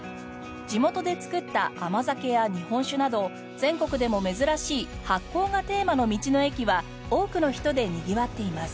地元で造った甘酒や日本酒など全国でも珍しい発酵がテーマの道の駅は多くの人でにぎわっています。